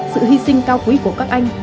sự hy sinh cao quý của các anh